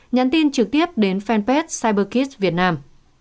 nhắn tin trực tiếp đến fanpage cyberkids việt nam